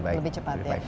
jadi lebih cepat ya